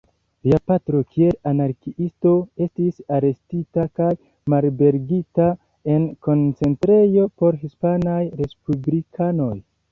Lia patro, kiel anarkiisto, estis arestita kaj malliberigita en koncentrejo por hispanaj respublikanoj.